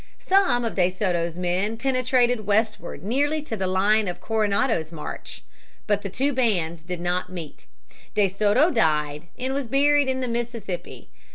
Some of De Soto's men penetrated westward nearly to the line of Coronado's march. But the two bands did not meet. De Soto died and was buried in the Mississippi.